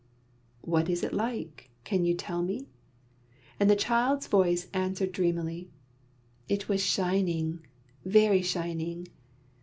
"What is it like? Can you tell me?" and the child's voice answered dreamily: "It was shining, very shining."